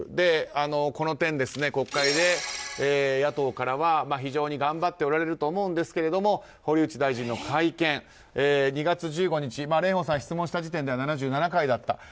この点、国会で野党からは非常に頑張っておられると思うんですけど堀内大臣の会見、２月１５日蓮舫さんが質問した時点では７７回だった。